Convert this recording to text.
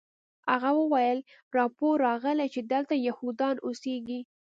هغه وویل راپور راغلی چې دلته یهودان اوسیږي